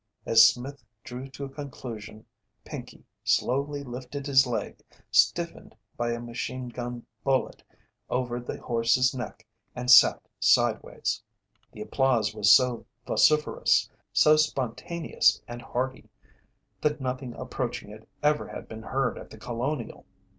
As Smith drew to a conclusion, Pinkey slowly lifted his leg, stiffened by a machine gun bullet, over the horse's neck and sat sideways. The applause was so vociferous, so spontaneous and hearty, that nothing approaching it ever had been heard at The Colonial.